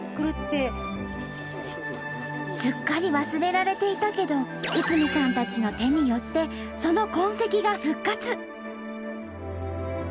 すっかり忘れられていたけど慈さんたちの手によってその痕跡が復活！